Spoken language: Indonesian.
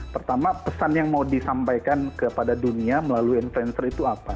pertama pesan yang mau disampaikan kepada dunia melalui influencer itu apa